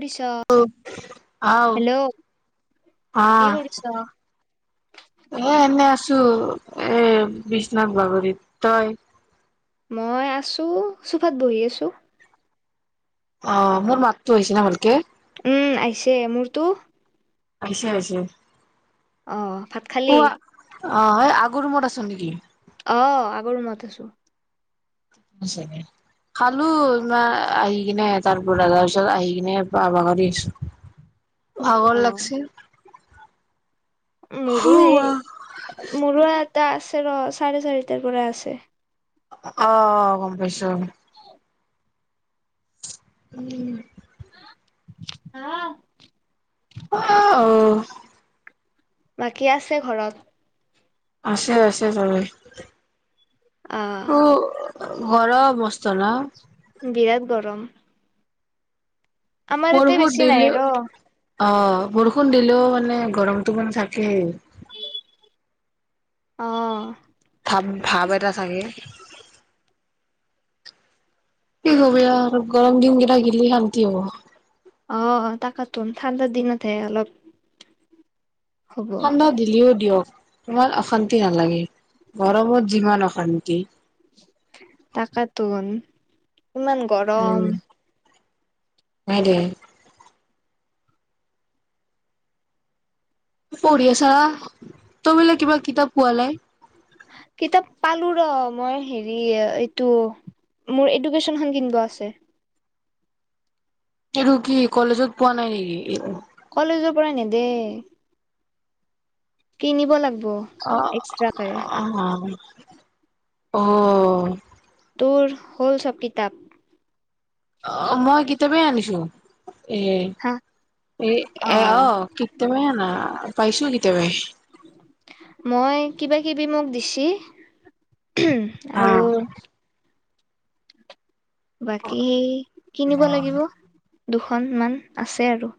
কৰিছ আওঁ হেল্ল' কি হাঁ কৰিছ এ এনে আছো ছো এহ বিছনাত বাগৰি তই মই আছো চোফাত বহি আছো অঁ মোৰ মাততো আহিছে না ভালকৈ উম আহিছে মোৰতো আহিছে আহিছে অঁহ ভাত খালি অঁ এই আগৰ ৰুমত আছো নেকি অঁ আগৰ ৰুমত আছো খালো না আহি কিনে তাৰ পৰা তাৰ পিছত আহি কিনে বাগৰি আছো অ ভাগৰ লাগিছে মোৰো সেই মোৰো এটা আছে ৰ চাৰে চাৰিটাৰ পৰা আছে অঁহ গম পাইছো উম আঁহ ও ওহ বাকী আছে ঘৰত আছে আছে চবে আহঁ অ গৰম মস বিৰাত গৰম আমাৰ এয়াতে বেছি নাই ৰ অঁ বৰষুণ দিলেও মানে গৰমটো মানে থাকেই অঁহ ভাৱ ভাৱ এটা থাকে কি ক'বি আৰু গৰম দিনকেইটা গোলে শান্তি হ'ব। অ তাকেতো ঠাণ্ডাৰ দিনতহে অলপ। হ'ব ঠাণ্ডা দিলেও দিয়ক। ইমান অশান্তি নালাগে গৰমত যিমান অশান্তি। তাকেতন। ইমান গৰম। মাৰিদে। পঢ়ি আছা তই বোলে কিবা কিতাপ পোৱা নাই। কিতাপ পালো ৰ মই হেৰি ওহ এইটো মোৰ এডুকেশনখন কিনিব আছে। এইটো কি কলেজত পোৱা নাই নেকি? কলেজৰ পৰা নেদে। কিনিব লাগিব। অ, অ অ'হ। তোৰ হ'ল চব কিতাপ। অ মই কিতাপেই আনিছো। এ হা এ এ অ কিতাপ ম ন। পাইছো কেতিয় বাই। মই কিবা কিবি মোক দিছ। অহ। বাকী সেই কিনিব লাগিব। দুখনমান আছে আৰু।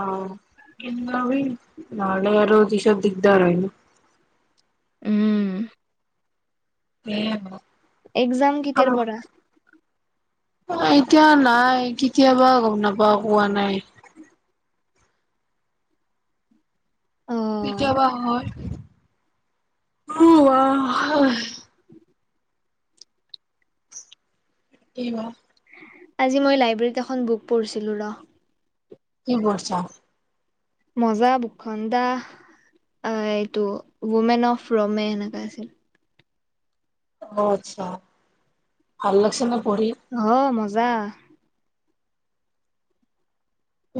অ কিবনে নহ'লে পিছত দিগদাৰ হ'য় ন। উম। এ। এক্সাম কেতিয়াৰ পৰা। এতিয়া নাই কেতিয়াবা গম নাপাও কোৱা নাই। অ কেতিয়াবা হয় উম। [unintelligible] কেইবা। আজি মই লাইব্ৰেৰীত এখন বুক পঢ়িছিলো ৰ। কি বছা। মজা বুক খন্দা এইটো মৌমেন অফ ৰমে সেনেককা আছিল। অ আচ্ছা ভাল লাগিছে ন। অ মাজা। যা।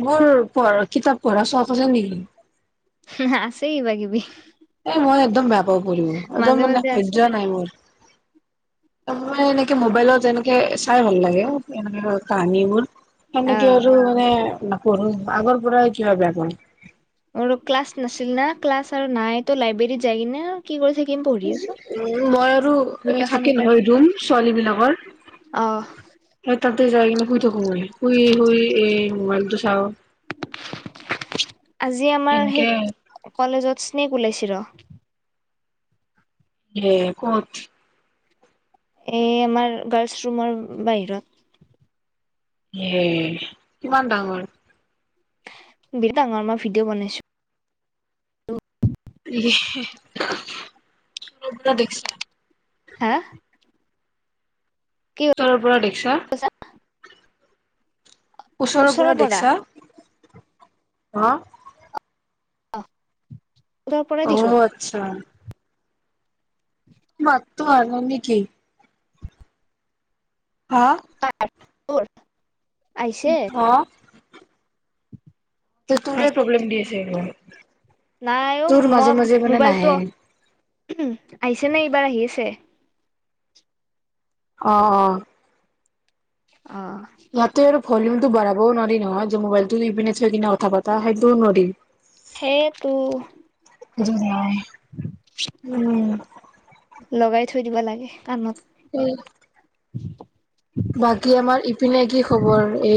মোৰ পঢ় কিতাপ পঢ়া চোৱা কছে নেকি। আছেই কিবাকিবি। এই মই একদম বেয়া। হাব প একদম মানে মাজে সজ আছে নাই মোৰ। ত মে এনেকে মোবাইলত এনেকে চাই ভাল লাগে অ। এ কানিপ এনেকে অহ এান নাপ আগৰ পৰা কি ভাবে আপ আৰু ক্লাছ নাছিল না ক্লাছ আৰু নাই তো লাইব্ৰেৰীত যায় কিি ন কি কৰি থাক উ মই আৰু বুক এ এখন থাকে ওলাই নহয় ৰুম ছোৱালী বিলাকৰ অ' স তাক ত যায় ন কুজ গল শুই শুই এ মোবাইলতটো চাওঁ আজি আমাৰ সেই এনকে কলেজত স্নেক ওলাইছিল ৰ [inaudible] এ কত এই আমাৰ গাৰ্লচ ৰুমৰ বাহিৰত হে কিমান ডাঙৰ বঙাৰ মাৰ ভিডিঅ বনাইছো ব দেখছ [unintelligible] হা তৰৰ পৰা দেখি কজ ওচৰৰ পৰা দেখছা হা আহ অ আচ্ছা ত আৰু নেকি হা দোৰ আহইছে তোৰেই প্ৰব্লেম দিিয়ছ স [unintelligible] নাইও মই মোবাইলটো আহিছে নাই বাৰ আহি আছে অ অ অ নতে ভলিউমতটো বঢ়াবও নোৱাৰি নহয় যে মোবাইলতটো ইপিনে চ হৈ কিনে কথা পতা সেইটোও নোৱাৰিম সেই তো উ উম লগাই থৈ দিব লাগে কাণত উম [inaudible] বাকী আমাৰ ইপিনে কি খবৰ এই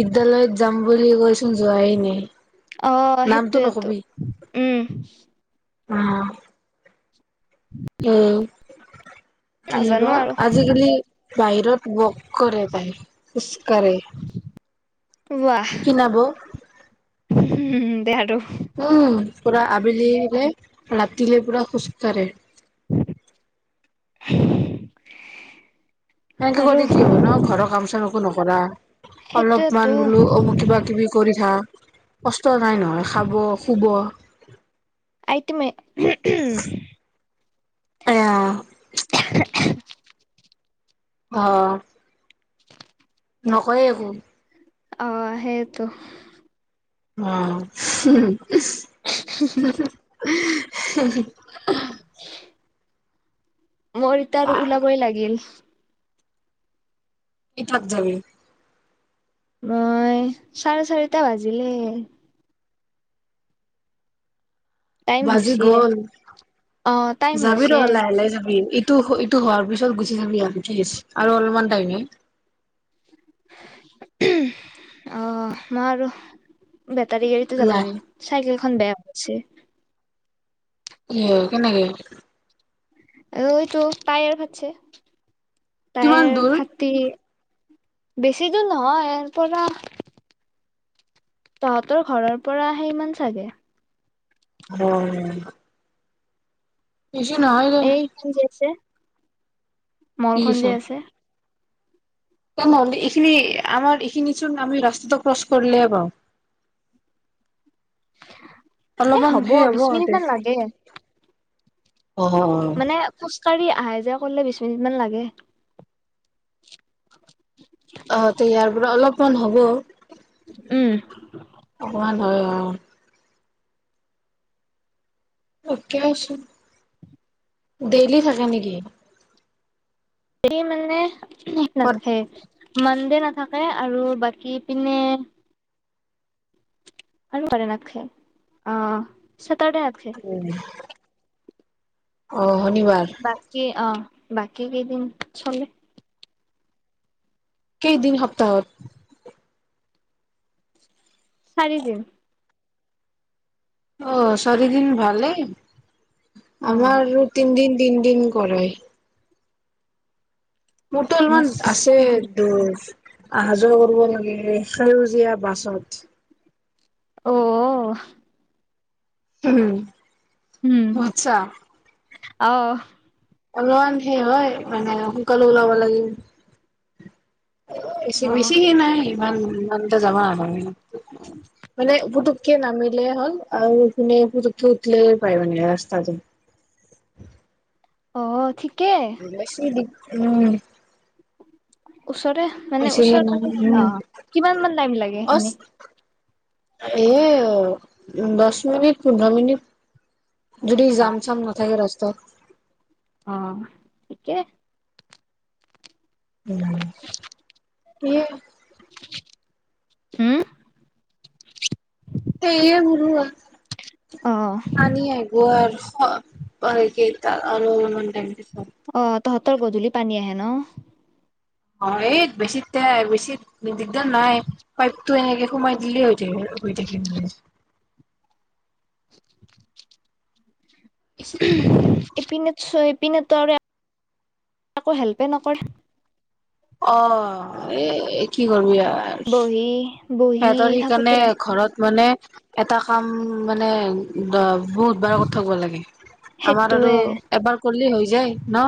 বিদ্যালয়ত যাম বুলি কৈচোন যোৱাই নাই অ সেইটো নামটো এইটো নকবি উম অ উম ক নাজানো বা আৰু আজিকালি বাহিৰত বক কৰে যায় খোচকাৰে ৱাহ উম দে আৰু উম পুৰা আবেলিৰে ৰাতিলে পুৰা খোজ কঢ়ে [inaudible] এনেকে আৰু কৰিলে কি হ'ব ন ঘৰ কাম চাম একো নকৰা সেইটোয়েতো অলপমান বোলো অ কিবা কিবি কৰি থ অ কষ্ট নাই নহয় খাব শুব আহট মই এয়া অ নকয়ে একো অ সেইটো অ উ [inaudible] মোৰ এতিয়া আৰু ওলাবই লাগিল কি থাক যাব মই চাৰে চাৰিটা বাজিলে টাইম বাজি হৈছে গ'ল অ টাইম যাবি হৈছে ৰ লাহ ল লাহে যাবি টো এইটো হোৱাৰ পিছত গুচি যাব পি আৰু অলপমান টাইমে আহ মই আৰু বেটাৰী গাড়ীতে যাব লাহ লাগে চাইকেলখন বেয়া চ আহ কেনেকে ঐতটো পায় আৰু খছে কিমান টাইৰ দূৰ ফাটি বেছি দূৰ নহয় ইয়াৰ পৰা তহঁতৰ ঘৰৰ পৰা আহে ইমান চাগে হ এই কি যেছে? মলখন যে আছে। [unintelligible] ক এইখিনি আমাৰ এইখিনি ছোন আমি ৰাস্তাটো ক্ৰচ কৰিলে পাওঁ। এ অলপমান হেই হ'ব বিশ [unintelligible] মিনিট মান লাগে অ মানে খোজকাঢ়ি আহে। [unintelligible] কৰিলে বিশ মিনিট মান লাগে। আহ তে ইয়াৰ পৰা অলপ। মান হ'ব। উম। অকমান হয় অ। [unintelligible] ডেইলি থাকে নেকি? এই মানে ন খে মন নাথাকে আৰু বাকী পিনে আৰু কৰে ন আ অ। চেটাৰডে নাথাকে উম। অহ। বাকী অ বাকী কেইদিন চলে কেইদিন সপ্তাহত চাৰি দিন। অ চাৰদিন ভালেই অ আমাৰ তিনিদিন দিন দিন কৰে। মোৰতো অলপমান মাছ আছে দ অহা যোৱা কৰিব লাগে সেউজীয়া বাছত। অ উম অ আচছা। আহ। অলমান সেই হয় মানে সোনকালে ওলাব লাগে এছ অ বেছি সেই নাই। মান মানতে যাব ন আৰু। মানে বুতো- কে নামিলেই হ'ল আৰু কোনে পুতকি উঠিল পাৰ নে ৰাস্তাটো অ ঠিক বেছি দিগ উম ওচৰে মানে বেছি সেই ওচৰ নহয় অ উম, কিমান মান টাইম লাগে এনে এয় দহ মিনিট পোন্ধৰ মিনিট। যদি অ জাম চাম নাথাকে ৰাস্তাত। অ ঠিকে। উম সেয়ে হম। স গৰু আ অ আনি আহ গোৱাৰ [unintelligible] অ' তহত। তৰ গধূলি পানী আহে ন? হয় এই বেছি, তেই বেছি দিগদাৰ নাই পাইপটো এনেকে সোমাই দিলে। [unintelligible] [unintelligible] পিনেতো [unintelligible] একো হেল্পেই নকৰে, অ' এ কি কৰিবি আৰ। বহি। বহি সিহতৰ সেইকাৰণে থাকোতে যায় ঘৰত মানে। এটা। কাম মানে, বহুত বাৰ কৰি থাকিব লাগে। আমাৰ আৰু সেইটোৱে এবাৰ কৰিলেই হৈ যায় ন?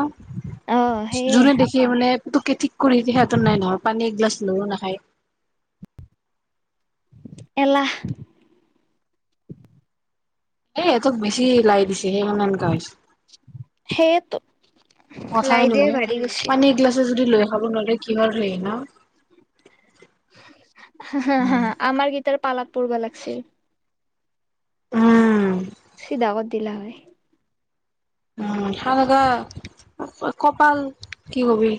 অ সেয়ে যোনে দেখি মানে তোকে ঠিক কৰি সেইতো নাই নহয় পানী একগিলাছ। লাও নাখায়। এলাহ। এ এহঁতক বেছি লাই দিছে, সেই কাৰনে এনেকুৱা হৈছে, সেয়েতো লাই কথাই দিয়ে নুশুনে, ভাৰি গৈছি পানীগিলাচ। যদি লৈ খাব নোৱাৰে কিহৰ হেই ন? হা হা আমাৰ কেইটাৰ পালত। পৰব লাগছিল। উম। [unintelligible] দিলা হয়, উম। [unintelligible] কপাল, কি কবি।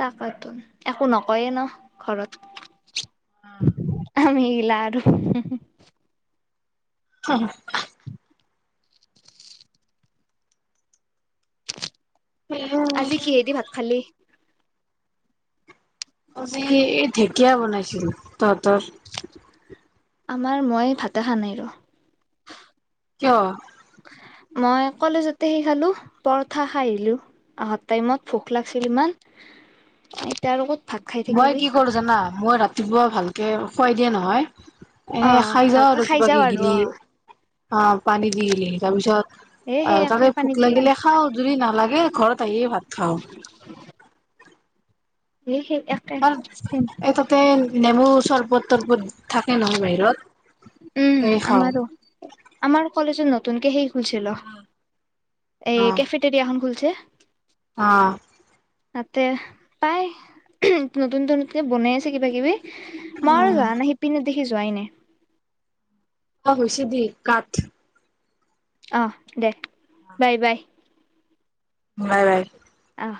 তাকেতো, একো নকয়ে ন ঘৰত [unintelligible] [unintelligible] আমি লাৰো [unintelligible] [unintelligible] আজি কিহেদি ভাত খালি? আজি ঢেকীয়া বনাইছিল, তহঁতৰ? আমাৰ, মই ভাতে খা নাই ৰ। কিয়? মই কলেজতে হেৰি খালো পৰঠাখাই আহিলো অহা টাইমত ভোকলাগছিল ইমান তাৰ লগত মই কি কৰো জানা? মই ৰাতিপুৱা ভালকে খুৱাই দিয়া নহয় অ এনে খাই যাওঁ ভালকে আৰু খাই কিবা যাও কিবি আৰু গিলি অ আহ পানী দি গিলি তাৰপিছত এ সেই আহ একে তাতে পানীত ভোক গেলি লাগিলে খাওঁ যদি নালাগে ঘৰত আহিয়ে ভাত খাওঁ। হে আৰু এ ততে নেমু চৰবত তৰবত থাকে নহয় বাহিৰত উম সে খাওঁ। তুন কে সেই খুলছিলো। এই অ', কেফেট এৰিয়া এখন খুলছে। অ', তাতে পাই নতুন নতুনকে বনাই আছে কিবা কিবি। মই আৰু যোৱা নাই সিপিনে। দেখি যোৱাই নাই। অ হৈছে দি কাত অঁ দে বাই বাই। Bye bye. অহ।